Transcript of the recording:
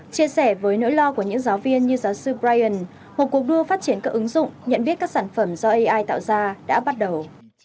chia sẻ với nỗi lo của những giáo viên như giáo sư brien một cuộc đua phát triển các ứng dụng nhận biết các sản phẩm do ai tạo ra đã bắt đầu